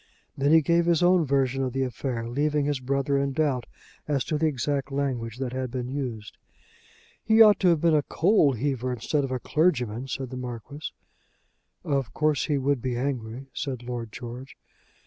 Then he gave his own version of the affair, leaving his brother in doubt as to the exact language that had been used. "He ought to have been a coal heaver instead of a clergyman," said the Marquis. "Of course he would be angry," said Lord George.